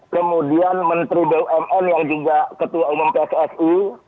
kemudian menteri bumn yang juga ketua umum pssi